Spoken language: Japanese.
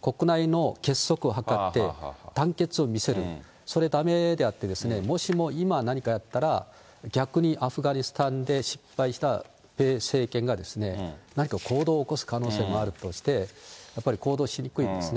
国内の結束を図って、団結を見せる、そのためであって、もしも今何かやったら、逆にアフガニスタンで失敗した米政権が何か行動を起こす可能性もあるとして、やっぱり行動しにくいですね。